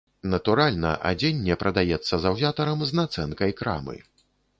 Натуральна, адзенне прадаецца заўзятарам з нацэнкай крамы.